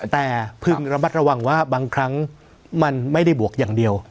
แต่พึงระมัดระวังว่าบางครั้งมันไม่ได้บวกอย่างเดียว